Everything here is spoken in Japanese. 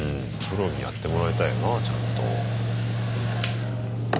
プロにやってもらいたいよなちゃんと。